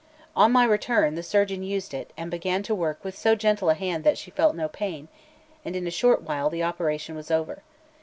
On my return, the surgeon used it, and began to work with so gentle a hand that she felt no pain, and in a short while the operation was over.